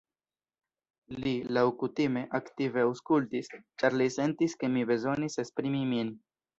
Li, laŭkutime, aktive aŭskultis, ĉar li sentis ke mi bezonis esprimi min.